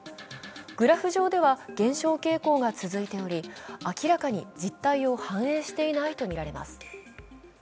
グラフ上では減少傾向が続いており、明らかに実態を反映していないとみられます。